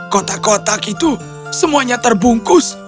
kotak kotak itu semuanya terbungkus